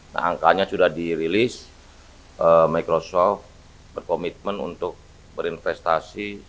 nah angkanya sudah dirilis microsoft berkomitmen untuk berinvestasi